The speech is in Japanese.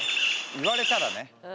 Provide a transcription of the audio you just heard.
言われたらね。